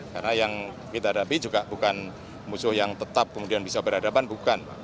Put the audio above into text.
karena yang kita hadapi juga bukan musuh yang tetap kemudian bisa berhadapan bukan